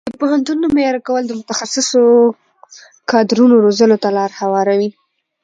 د پوهنتونونو معیاري کول د متخصصو کادرونو روزلو ته لاره هواروي.